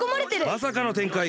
まさかのてんかい！